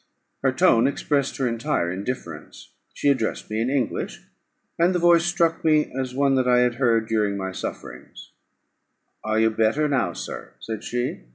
Her tone expressed her entire indifference; she addressed me in English, and the voice struck me as one that I had heard during my sufferings: "Are you better now, sir?" said she.